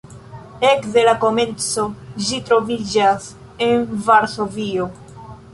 Ekde la komenco ĝi troviĝas en Varsovio.